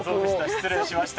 失礼しました。